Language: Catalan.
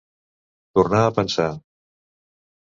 Tornar a pensar.